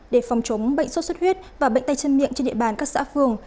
để phòng chống bệnh sốt xuất huyết và bệnh tay chân miệng trên địa bàn các xã phường